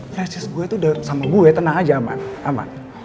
flashers gue tuh udah sama gue tenang aja aman aman